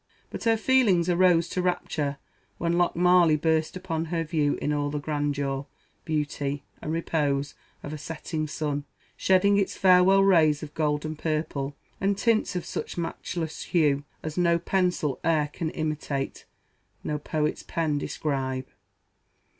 But her feelings arose to rapture when Lochmarlie burst upon her view in all the grandeur, beauty, and repose of a setting sun, shedding its farewell rays of gold and purple, and tints of such matchless hue, as no pencil ere can imitate no poet's pen describe.